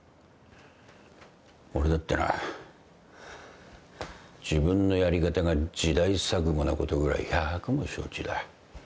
俺だってな自分のやり方が時代錯誤なことぐらい百も承知だ。